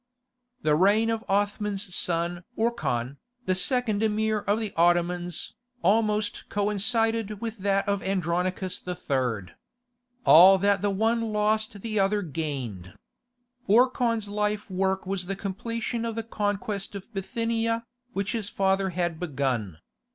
The reign of Othman's son Orkhan, the second Emir of the Ottomans, almost coincided with that of Andronicus III. All that the one lost the other gained. Orkhan's life work was the completion of the conquest of Bithynia, which his father had begun.